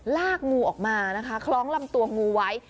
ลากงูออกมานะคะคล้องลำตัวงูไว้